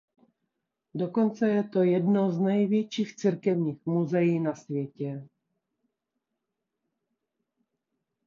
Dokonce je to jedno z největších církevních muzeí na světě.